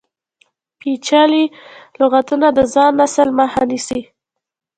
پیچلي لغتونه د ځوان نسل مخه نیسي.